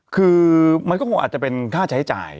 คือมันก็คงอาจจะเป็นค่าใช้จ่าย